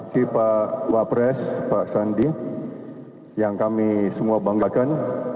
si pak wapres pak sandi yang kami semua banggakan